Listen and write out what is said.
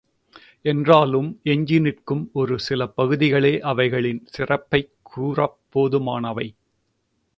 என்றாலும் எஞ்சி நிற்கும் ஒரு சில பகுதிகளே அவைகளின் சிறப்பைக் கூறப் போதுமானவை.